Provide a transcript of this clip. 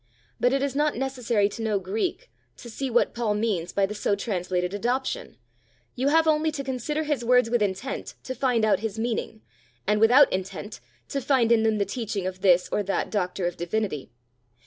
But it is not necessary to know Greek to see what Paul means by the so translated adoption. You have only to consider his words with intent to find out his meaning, and without intent to find in them the teaching of this or that doctor of divinity.